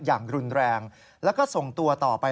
อย่างรุนแรงแล้วก็ส่งตัวต่อไป